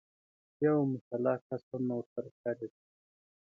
يو مسلح کس هم نه ورسره ښکارېده.